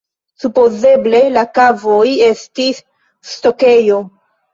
Supozeble la kavoj estis stokejo.